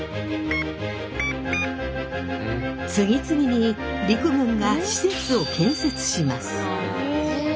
次々に陸軍が施設を建設します。